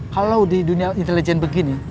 kalau di dunia intelijen begini